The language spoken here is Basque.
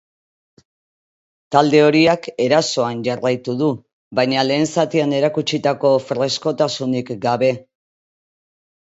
Talde horiak erasoan jarraitu du, baina lehen zatian erakutsitako freskotasunik gabe.